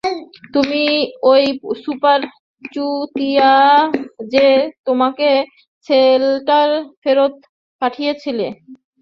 তুমি ওই সুপার চুতিয়া যে আমাকে শেল্টারে ফেরত পাঠিয়েছিলে।